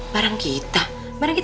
barang kita barang kita